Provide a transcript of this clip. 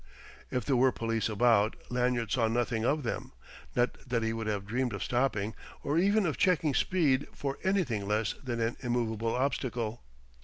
If there were police about, Lanyard saw nothing of them: not that he would have dreamed of stopping or even of checking speed for anything less than an immovable obstacle....